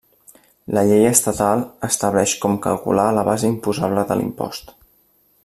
La Llei estatal estableix com calcular la base imposable de l'impost.